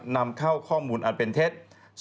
นำเข้าข้อมูลอันเป็นเท็จ